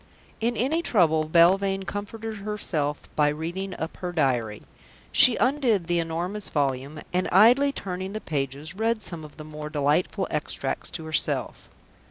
In any trouble Belvane comforted herself by reading up her diary. She undid the enormous volume, and, idly turning the pages, read some of the more delightful extracts to herself.